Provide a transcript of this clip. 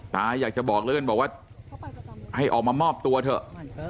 ตาอยากจะบอกแล้วกันบอกว่าให้ออกมามอบตัวเถอะ